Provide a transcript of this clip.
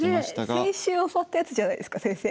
これ先週教わったやつじゃないですか先生。